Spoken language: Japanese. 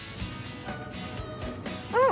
うん！